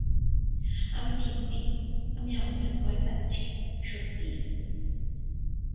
আমি ঠিক নেই, আমি আগুনে ভয় পাচ্ছি, সত্যি?